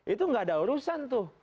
itu gak ada urusan tuh